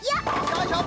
よいしょ。